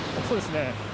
そうですね。